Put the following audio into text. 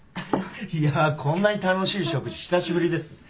いやぁこんなに楽しい食事久しぶりです。